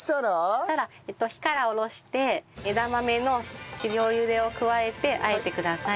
そしたら火から下ろして枝豆の塩ゆでを加えてあえてください。